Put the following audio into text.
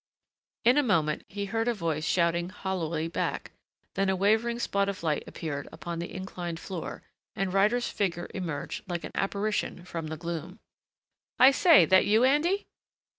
In a moment he heard a voice shouting hollowly back, then a wavering spot of light appeared upon the inclined floor and Ryder's figure emerged like an apparition from the gloom. "I say! That you, Andy?"